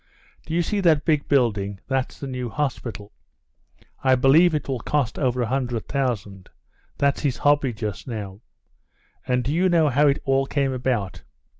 "Do you see that big building? that's the new hospital. I believe it will cost over a hundred thousand; that's his hobby just now. And do you know how it all came about?